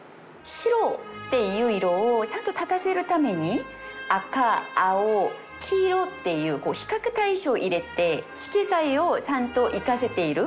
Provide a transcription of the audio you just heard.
白っていう色をちゃんと立たせるために「赤、青、黄色」っていう比較対象を入れて色彩をちゃんと生かせている。